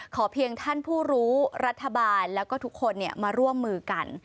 เพียงท่านผู้รู้รัฐบาลแล้วก็ทุกคนมาร่วมมือกัน